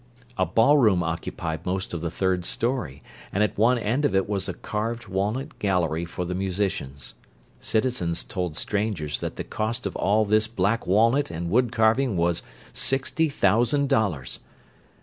A ballroom occupied most of the third story; and at one end of it was a carved walnut gallery for the musicians. Citizens told strangers that the cost of all this black walnut and wood carving was sixty thousand dollars.